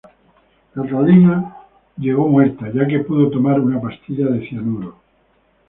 Catalina llegó muerta ya que pudo tomar una pastilla de cianuro.